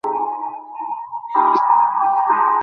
ভিতরেই থাকার কথা।